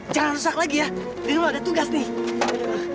jangan rusak lagi ya dulu ada tugas nih